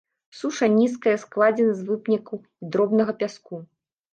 Суша нізкая, складзена з вапняку і дробнага пяску.